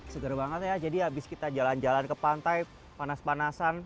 seger banget ya jadi abis kita jalan jalan ke pantai panas panasan